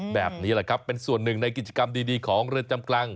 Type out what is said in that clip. แบบนี้แหละครับเป็นส่วนหนึ่งในกิจกรรมดีของเรือนจำกลาง